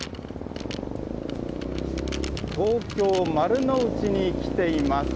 東京・丸の内に来ています。